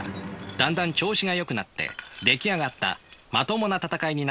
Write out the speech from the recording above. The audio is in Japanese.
だんだん調子がよくなって出来上がったまともな戦いになってきていると。